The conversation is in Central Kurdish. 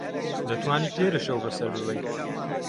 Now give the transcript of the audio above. دەتوانیت لێرە شەو بەسەر ببەیت.